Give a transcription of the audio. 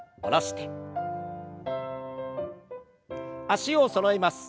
脚をそろえます。